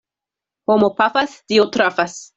Homo pafas, Dio trafas.